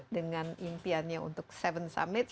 dengan impiannya untuk tujuh summit